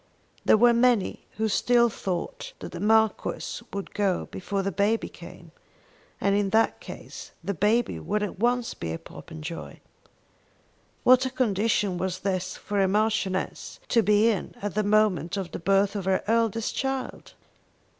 There were many who still thought that the Marquis would go before the baby came; and, in that case, the baby would at once be a Popenjoy. What a condition was this for a Marchioness to be in at the moment of the birth of her eldest child!